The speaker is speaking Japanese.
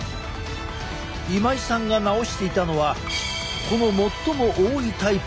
今井さんが治していたのはこの最も多いタイプのめまい。